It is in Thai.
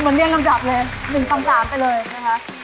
มันเนี่ยงำดับเลย๑คำ๓ไปเลย